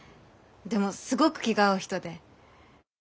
でもすごく気が合う人で。